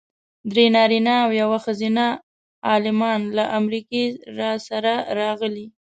درې نارینه او یوه ښځینه عالمان له امریکې راسره راغلي.